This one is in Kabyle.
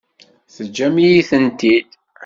Teǧǧam-iyi-tent-id.